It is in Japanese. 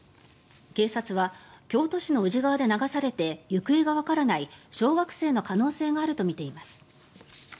警察は京都市の宇治川で流されて行方がわからない小学生の可能性があるとみています。